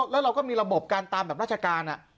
แล้วเราก็มีระบบการตามแบบราชการ